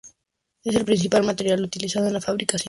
El principal material utilizado en su fabricación era la madera.